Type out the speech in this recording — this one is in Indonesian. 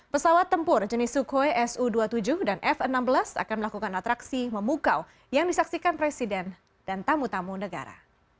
pesawat tempur jenis sukhoi su dua puluh tujuh dan f enam belas akan melakukan atraksi memukau yang disaksikan presiden dan tamu tamu negara